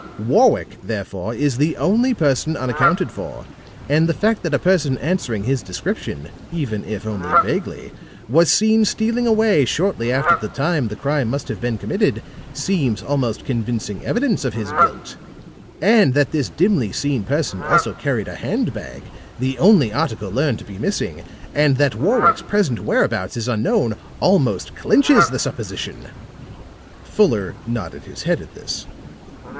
Warwick, therefore, is the only person unaccounted for; and the fact that a person answering his description, even if only vaguely, was seen stealing away shortly after the time the crime must have been committed, seems almost convincing evidence of his guilt. And that this dimly seen person also carried a hand bag, the only article learned to be missing, and that Warwick's present whereabouts is unknown, almost clinches the supposition." Fuller nodded his head at this.